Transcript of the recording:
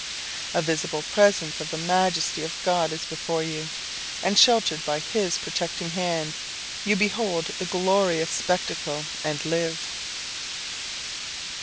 A visible presence of the majesty of God is before you, and, sheltered by His protecting hand, you behold the glorious spectacle and live.